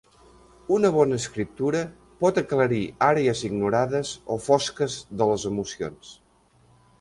Una bona escriptura por aclarir àrees ignorades o fosques de les emocions.